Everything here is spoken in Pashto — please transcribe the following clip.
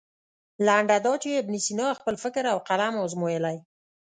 لنډه دا چې ابن سینا خپل فکر او قلم ازمویلی.